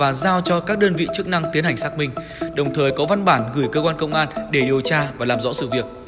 trường đã đăng tải thông báo cho các đơn vị chức năng tiến hành xác minh đồng thời có văn bản gửi cơ quan công an để điều tra và làm rõ sự việc